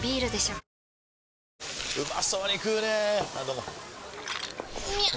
うまそうに食うねぇあどうもみゃう！！